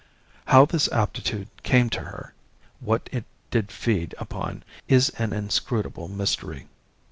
"How this aptitude came to her, what it did feed upon, is an inscrutable mystery.